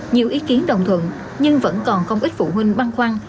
nhiều ý kiến đồng thuận nhưng vẫn còn không ít phụ huynh băn khoăn